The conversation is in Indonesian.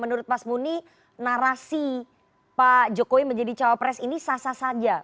menurut pak jokowi narasi pak jokowi menjadi cowok pres ini sah sah saja